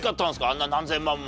あんな何千万も。